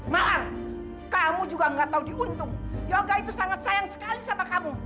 maaf kamu juga gak tahu diuntung yoga itu sangat sayang sekali sama kamu